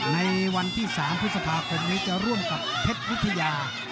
ในวันที่๓พฤษภาคมนี้จะร่วมกับเพชรวิทยา